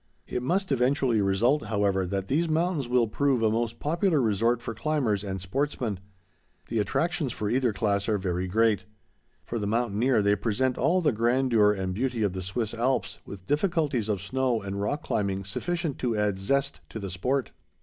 It must eventually result, however, that these mountains will prove a most popular resort for climbers and sportsmen. The attractions for either class are very great. For the mountaineer, they present all the grandeur and beauty of the Swiss Alps, with difficulties of snow and rock climbing sufficient to add zest to the sport.